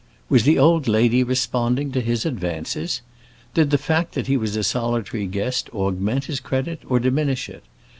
Was the old lady responding to his advances? Did the fact that he was a solitary guest augment his credit or diminish it?